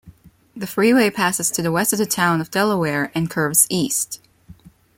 The freeway passes to the west of the town of Delaware and curves east.